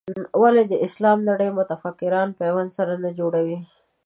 ولې د اسلامي نړۍ متفکران پیوند سره نه جوړوي.